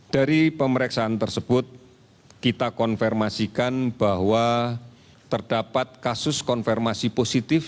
dari pemeriksaan tersebut kita konfirmasikan bahwa terdapat kasus konfirmasi positif